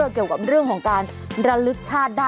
ต้องลองลองช้าว